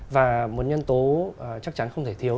và một nhân tố chắc chắn không thể thiếu